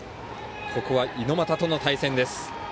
ここは猪俣との対戦です。